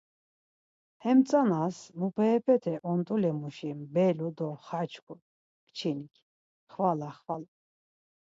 Hem tzanas muperepete ont̆ule muşi mbelu do xaçku kçinik xvala xvala.